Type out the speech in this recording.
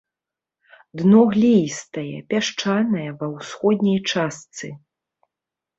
Дно глеістае, пясчанае ва ўсходняй частцы.